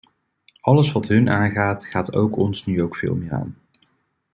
Alles wat hun aangaat, gaat ook ons nu ook veel meer aan.